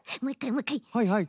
はいはい。